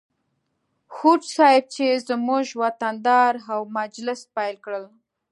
هوډ صیب چې زموږ وطن دار و مجلس پیل کړ.